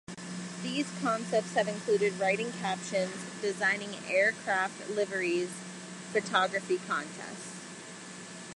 These contests have included writing captions, designing aircraft liveries, photography contests.